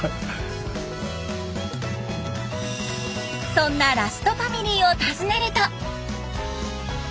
そんなラストファミリーを訪ねると。